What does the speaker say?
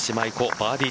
バーディー